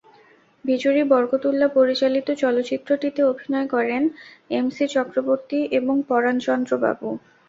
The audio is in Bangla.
বিজরী বরকতুল্লাহ পরিচালিত চলচ্চিত্রটিতে অভিনয় করেন এম সি চক্রবর্তী এবং পরাণচন্দ্র বাবু।